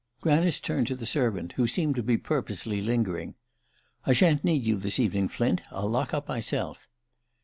Granice turned to the servant, who seemed to be purposely lingering. "I shan't need you this evening, Flint. I'll lock up myself."